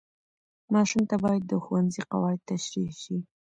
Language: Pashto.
ماشوم ته باید د ښوونځي قواعد تشریح شي.